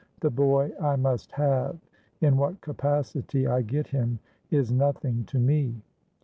The boy I must have: in what capacity I get him is nothing to me."